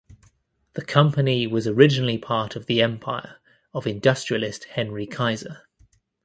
The company was originally part of the empire of industrialist Henry Kaiser.